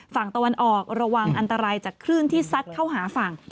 ฝั่งตะวันออกระวังอันตรายจากคลื่นที่ซัดเข้าหาฝั่ง